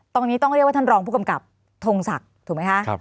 ตรงนี้ต้องเรียกว่าท่านรองผู้กำกับทงศักดิ์ถูกไหมคะ